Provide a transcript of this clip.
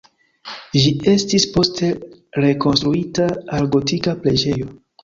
Ĝi estis poste rekonstruita al gotika preĝejo.